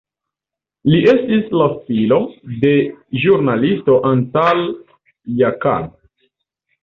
Li estis la filo de ĵurnalisto Antal Jakab.